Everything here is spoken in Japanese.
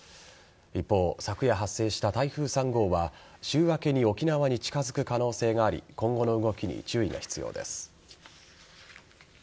一方、昨夜発生した台風３号は週明けに沖縄に近づく可能性があり今後の動きに注意が必要です。